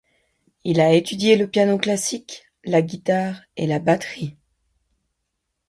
Il a étudié le piano classique, la guitare et la batterie.